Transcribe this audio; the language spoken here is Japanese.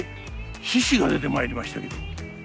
獅子が出てまいりましたけど。